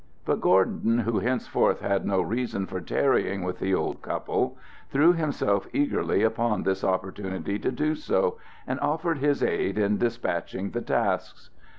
But Gordon, who henceforth had no reason for tarrying with the old couple, threw himself eagerly upon this opportunity to do so, and offered his aid in despatching the tasks.